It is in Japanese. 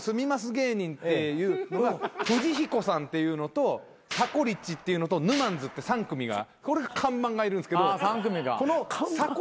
芸人っていう富士彦さんっていうのとさこリッチっていうのとぬまんづって３組が看板がいるんですけどこのさこ